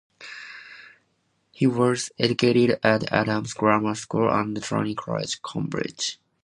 He was educated at Adams' Grammar School and Trinity College, Cambridge.